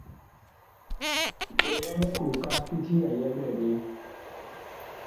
Legla likooka kiti ya yɛ ɓɛɛvee.